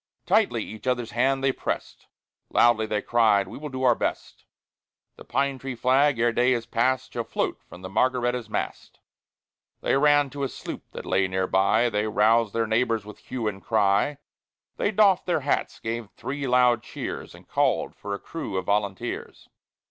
Tightly each other's hand they pressed, Loudly they cried, "We will do our best; "The pine tree flag, ere day is passed, Shall float from the Margaretta's mast." III They ran to a sloop that lay near by; They roused their neighbors, with hue and cry; They doffed their hats, gave three loud cheers, And called for a crew of volunteers.